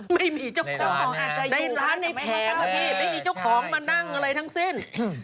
ไม่มีเจ้าของในร้านนี้ไม่แพงอ่ะพี่ไม่มีเจ้าของมานั่งอะไรทั้งเส้น